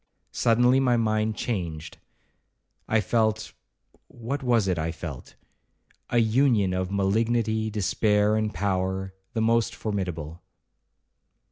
Suddenly my mind changed: I felt—what was it I felt?—a union of malignity, despair, and power, the most formidable.